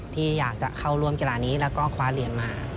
ที่อยากจะเข้าร่วมกีฬานี้แล้วก็คว้าเหรียญมา